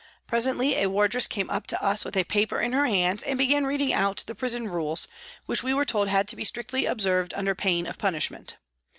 Presently a wardress came up to us with a paper in her hand and began reading out the prison rules, which we were told had to be strictly observed under pain of punishment.